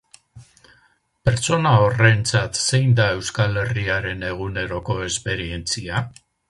Pertsona horrentzat zein da Euskal Herriaren eguneroko esperientzia?